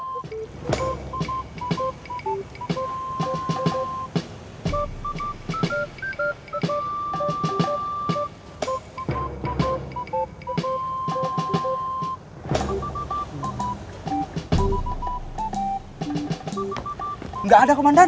tidak ada komandan